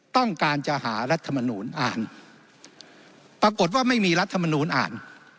ต้องการจะหารัฐมนูลอ่านปรากฏว่าไม่มีรัฐมนูลอ่าน